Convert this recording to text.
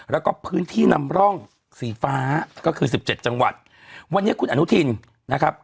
แล้วก็พื้นที่นำร่องสีฟ้าก็คือสิบเจ็ดจังหวัดวันนี้คุณอนุทินนะครับ